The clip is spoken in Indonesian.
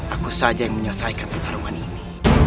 aku saja yang menyelesaikan pertarungan ini